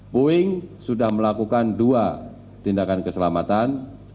boeing sudah melakukan dua tindakan keselamatan